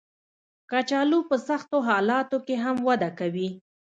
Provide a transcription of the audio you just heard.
کچالو په سختو حالاتو کې هم وده کوي